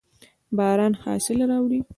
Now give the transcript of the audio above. باران حاصل راولي.